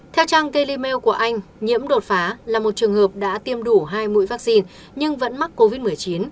theo trang kely mail của anh nhiễm đột phá là một trường hợp đã tiêm đủ hai mũi vaccine nhưng vẫn mắc covid một mươi chín